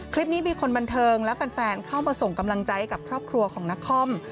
คลิปนี้บีคลบันเทิงและฝรั่งฟันเข้ามาส่งกำลังใจกับครอบครัวของนักคล่อม